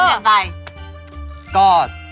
เออ